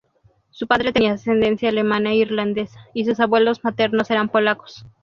Su padre tenía ascendencia alemana e irlandesa y sus abuelos maternos eran polacos.